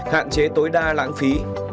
hạn chế tối đa lãng phí